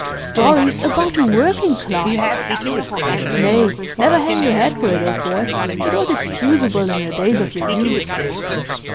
Stories about the working classes! Nay, never hang your head for it, old boy; it was excusable in the days of your youth.